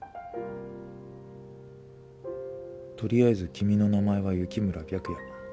とりあえず君の名前は雪村白夜。